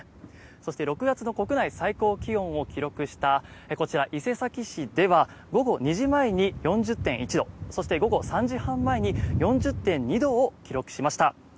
そして６月の国内最高気温を記録したこちら、伊勢崎市では午後２時前に４０．１度そして、午後３時半前に４０．２度を記録しました。